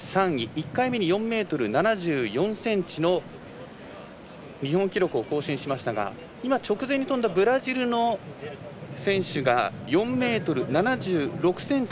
１回目に４ｍ７４ｃｍの日本記録を更新しましたが直前に跳んだブラジルの選手が４ｍ７６ｃｍ。